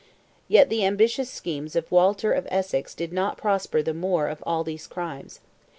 Yet the ambitious schemes of Walter of Essex did not prosper the more of all these crimes.